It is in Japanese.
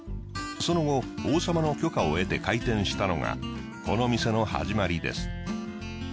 その後王様の許可を得て開店したのがこの店の始まりです。